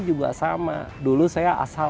juga sama dulu saya asal